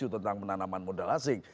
tentang penanaman modal asing